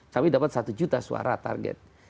kami dapat satu juta suara target